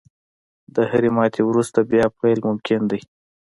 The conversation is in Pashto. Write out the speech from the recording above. • د هرې ماتې وروسته، بیا پیل ممکن دی.